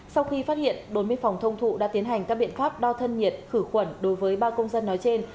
sau khi phát hiện đồn biên phòng thông thụ đã tiến hành các biện pháp đo thân nhiệt khử khuẩn đối với ba công dân nói trên